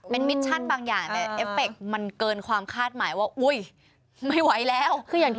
เป็นมิชชั่นบางอย่างแต่เอฟเคมันเกินความคาดหมายว่าอุ้ยไม่ไหวแล้วคืออย่างที่